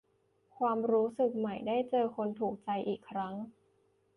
ความรู้สึกใหม่ ได้เจอคนถูกใจอีกครั้ง